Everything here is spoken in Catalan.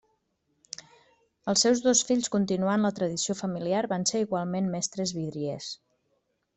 Els seus dos fills continuant la tradició familiar van ser igualment mestres vidriers.